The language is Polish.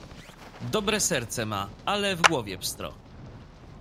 "Dobre serce ma, ale w głowie pstro..."